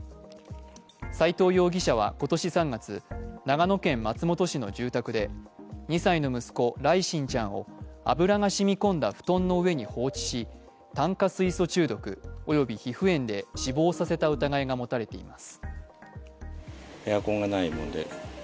斉藤容疑者は今年３月長野県松本市の住宅で２歳の息子、來心ちゃんを油が染み込んだ布団の上に放置し、炭化水素中毒及び皮膚炎で死亡させた疑いが持たれています。